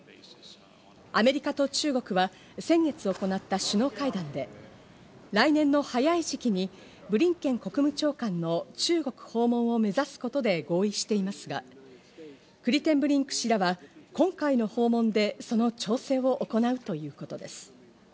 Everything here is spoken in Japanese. アメリカと中国は先月行った首脳会談で、来年の早い時期にブリンケン国務長官の中国訪問を目指すことで合意していますが、クリテンブリンク氏らは今回の訪問で、その調整を行うということです。